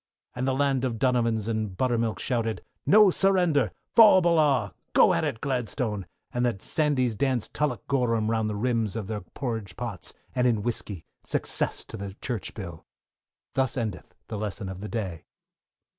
And the land of donovans and buttermilk shouted, No surrender, faugh o'ballagh! go it Gladstone, and the Sandys danced tullochgorum round the rims of their porridge pots, and in whiskey, success to the Church Bill. Thus endeth the lesson for the day.